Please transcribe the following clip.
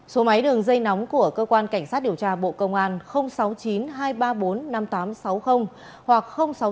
số máy đường dây nóng của cơ quan cảnh sát điều tra bộ công an sáu mươi chín hai trăm ba mươi bốn năm nghìn tám trăm sáu mươi hoặc sáu mươi chín hai trăm ba mươi một một nghìn sáu trăm